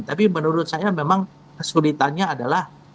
tapi menurut saya memang kesulitannya adalah